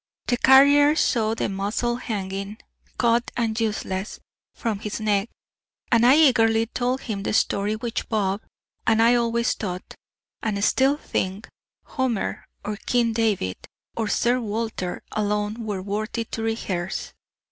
The carrier saw the muzzle hanging, cut and useless, from his neck, and I eagerly told him the story which Bob and I always thought, and still think, Homer, or King David, or Sir Walter, alone were worthy to rehearse.